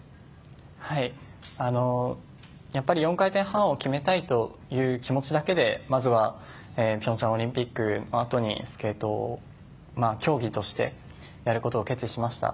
やっぱり４回転半を決めたいという気持ちだけでまずは平昌オリンピックの後にスケートを競技としてやることを決意しました。